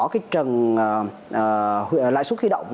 cái trần lãi suất khuy động